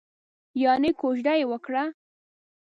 یانې کوژده یې وکړه؟